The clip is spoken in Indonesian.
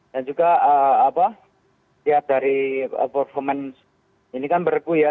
dan juga lihat dari performance ini kan berhubung ya